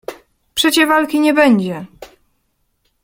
"Przecie walki nie będzie!"